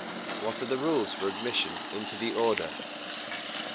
_What are the rules for admission into the Order?